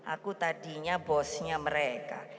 aku tadinya bosnya mereka